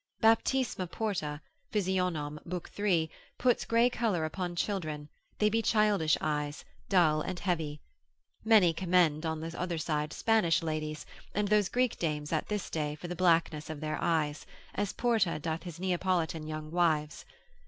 Baptisma Porta, Physiognom. lib. 3. puts grey colour upon children, they be childish eyes, dull and heavy. Many commend on the other side Spanish ladies, and those Greek dames at this day, for the blackness of their eyes, as Porta doth his Neapolitan young wives.